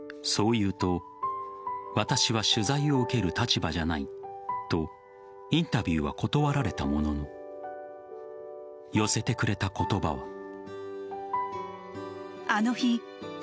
そう言うと私は取材を受ける立場じゃないとインタビューは断られたものの寄せてくれた言葉は。